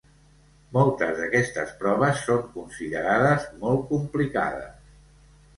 Moltes d'aquestes proves són considerades molt complicades.